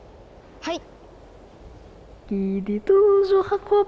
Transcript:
はい。